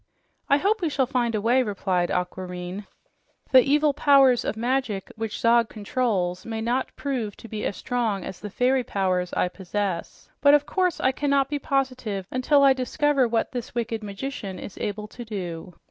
"I hope we shall find a way," replied Aquareine. "The evil powers of magic which Zog controls may not prove to be as strong as the fairy powers I possess, but of course I cannot be positive until I discover what this wicked magician is able to do."